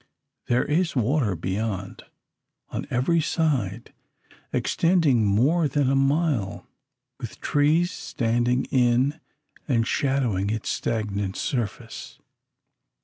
There is water beyond, on every side, extending more than a mile, with trees standing in and shadowing its stagnant surface.